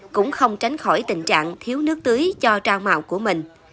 cũng không tránh khỏi tình trạng thiếu nước tưới cho rau màu của mình